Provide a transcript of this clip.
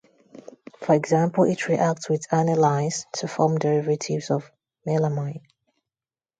For example it reacts with anilines to form derivatives of melamine.